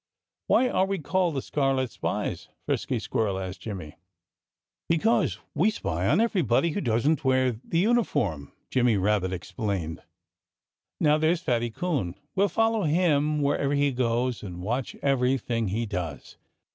"Why are we called The Scarlet Spies?" Frisky Squirrel asked Jimmy. "Because we spy on everybody who doesn't wear the uniform," Jimmy Rabbit explained. "Now, there's Fatty Coon! We'll follow him wherever he goes, and watch everything he does.